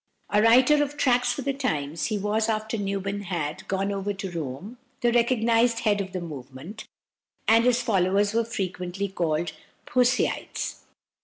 A writer of "Tracts for the Times," he was, after Newman had "gone over to Rome," the recognized head of the movement, and his followers were frequently called "Puseyites."